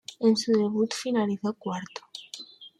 En su debut finalizó cuarto.